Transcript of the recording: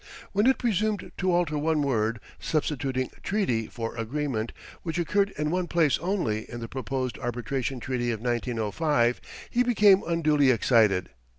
When it presumed to alter one word, substituting "treaty" for "agreement," which occurred in one place only in the proposed Arbitration Treaty of 1905, he became unduly excited.